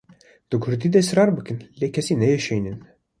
Di kurdî de israr bikin lê kesî neêşînin.